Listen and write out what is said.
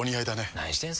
何してんすか。